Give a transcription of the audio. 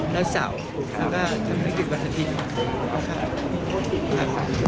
และเสาร์แล้วก็เมื่อกี้วันอาทิตย์